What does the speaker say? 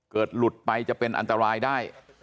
หลุดไปจะเป็นอันตรายได้